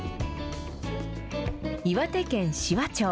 岩手県紫波町。